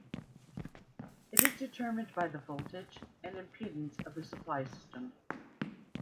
It is determined by the voltage and impedance of the supply system.